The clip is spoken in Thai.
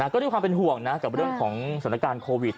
ก็ด้วยความเป็นห่วงนะกับเรื่องของสถานการณ์โควิด